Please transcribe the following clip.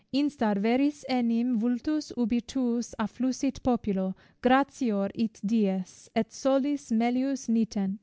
Instar veris enim vultus ubi tuus Affulsit populo, gratior it dies, Et soles melius nitent.